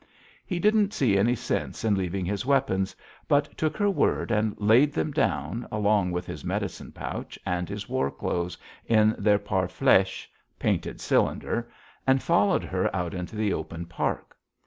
"He didn't see any sense in leaving his weapons, but took her word and laid them down, along with his medicine pouch, and his war clothes in their parflèche (painted cylinder), and followed her out into the open park.